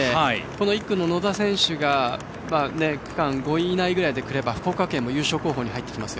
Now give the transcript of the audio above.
１区の野田選手が区間５位以内で来れば福岡県も優勝候補に入ってきますよ。